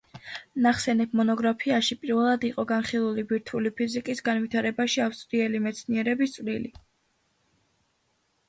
ნახსენებ მონოგრაფიაში პირველად იყო განხილული ბირთვული ფიზიკის განვითარებაში ავსტრიელი მეცნიერების წვლილი.